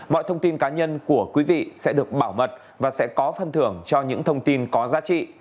mọi thông tin cá nhân của quý vị sẽ được bảo mật và sẽ có phân thưởng cho những thông tin có giá trị